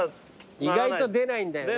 意外と出ないんだよね。